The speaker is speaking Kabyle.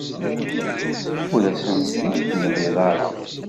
Ur asen-t-id-temliḍ ara.